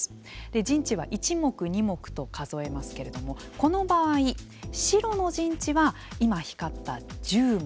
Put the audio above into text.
陣地は１目２目と数えますけれどもこの場合白の陣地は今光った１０目。